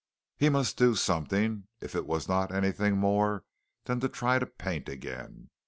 He must do something, if it was not anything more than to try to paint again.